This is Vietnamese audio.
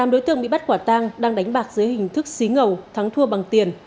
tám đối tượng bị bắt quả tang đang đánh bạc dưới hình thức xí ngầu thắng thua bằng tiền